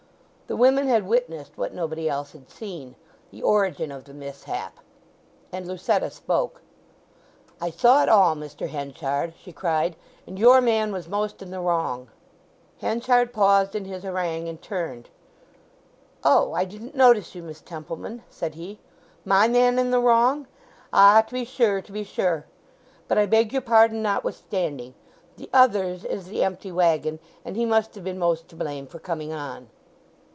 The women had witnessed what nobody else had seen—the origin of the mishap; and Lucetta spoke. "I saw it all, Mr. Henchard," she cried; "and your man was most in the wrong!" Henchard paused in his harangue and turned. "Oh, I didn't notice you, Miss Templeman," said he. "My man in the wrong? Ah, to be sure; to be sure! But I beg your pardon notwithstanding. The other's is the empty waggon, and he must have been most to blame for coming on."